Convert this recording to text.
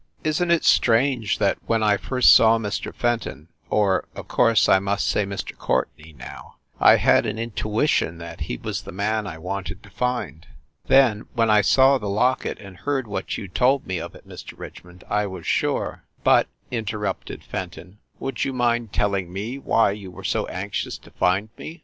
Isn t it strange 320 FIND THE WOMAN that when I first saw Mr. Fenton or, of course, I must say Mr. Courtenay now I had an intuition that he was the man I wanted to find ? Then, when I saw the locket and heard what you told me of it, Mr. Richmond, I was sure." "But," interrupted Fenton, "would you mind tell ing me why you were so anxious to find me?